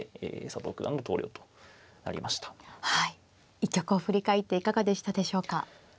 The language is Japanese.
一局を振り返っていかがでしたでしょうか。